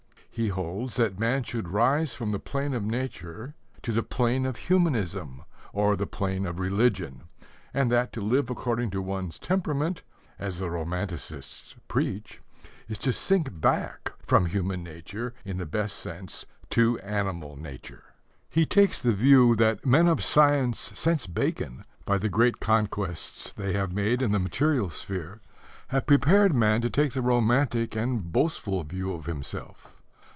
He holds that man should rise from the plane of nature to the plane of humanism or the plane of religion, and that to live according to one's temperament, as the romanticists preach, is to sink back from human nature, in the best sense, to animal nature. He takes the view that men of science since Bacon, by the great conquests they have made in the material sphere, have prepared man to take the romantic and boastful view of himself.